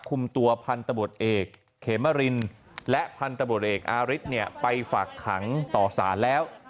คุมตัวทอเคมรินและทออาริสไปฝักหังต่อสานแล้ว